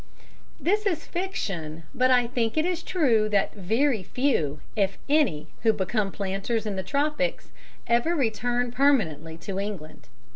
This is fiction, but I think it is true that very few, if any, who become planters in the tropics ever return permanently to England.